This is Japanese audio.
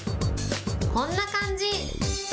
こんな感じ。